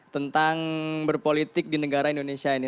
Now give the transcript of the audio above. tentang berpolitik di negara indonesia ini